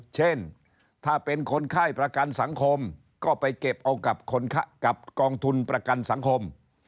เช่นถ้าเป็นคนไข้ประกันสังคมก็ไปเก็บเอากับกองทุนประกันสังคม